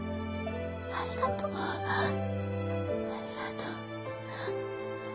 ありがとうありがとう。